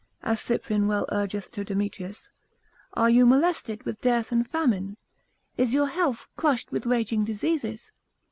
as Cyprian well urgeth to Demetrius, are you molested with dearth and famine? is your health crushed with raging diseases?